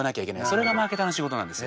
それがマーケターの仕事なんです。